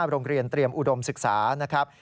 โรงเรียนเตรียมอุดมศึกษานะครับ